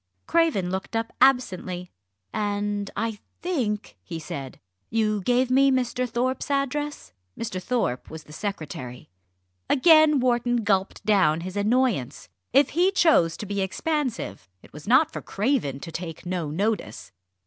Craven looked up absently. "And I think," he said, "you gave me Mr. Thorpe's address?" Mr. Thorpe was the secretary. Again Wharton gulped down his annoyance. If he chose to be expansive, it was not for Craven to take no notice.